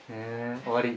終わり？